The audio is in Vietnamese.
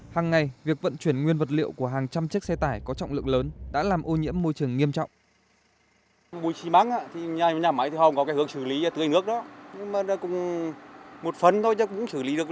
hàng ngày việc vận chuyển nguyên vật liệu của hàng trăm chiếc xe tải có trọng lượng lớn đã làm ô nhiễm môi trường nghiêm trọng